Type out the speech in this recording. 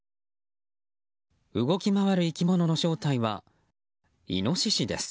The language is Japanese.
動き回る生き物の正体はイノシシです。